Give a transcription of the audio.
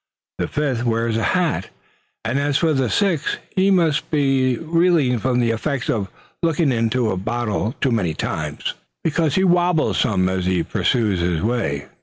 The fifth wears a hat; and as for the sixth, he must be feeling the effects of looking into a bottle too many times; because he wobbles some as he pursues his way.